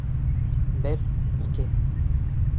Бер, ике!